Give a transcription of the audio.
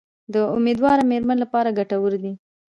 د امیندواره میرمنو لپاره ګټور دي.